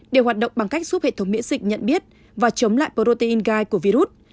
điều hoạt động bằng cách giúp hệ thống miễn dịch nhận biết và chống lại protein guide của virus